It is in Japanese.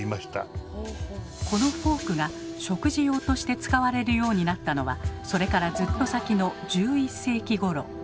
このフォークが食事用として使われるようになったのはそれからずっと先の１１世紀ごろ。